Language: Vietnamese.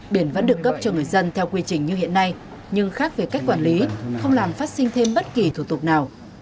biển vẫn được cấp cho người dân theo quy trình như hiện nay nhưng khác về cách quản lý không làm phát sinh thêm bất kỳ thủ tục nào